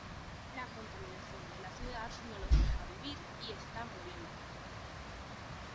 La contaminación de la ciudad no los deja vivir y están muriendo.